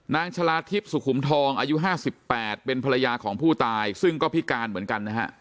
ชาลาทิพย์สุขุมทองอายุ๕๘เป็นภรรยาของผู้ตายซึ่งก็พิการเหมือนกันนะฮะ